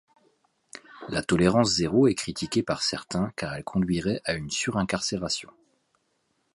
La tolérance zéro est critiquée par certains car elle conduirait à une surincarcération.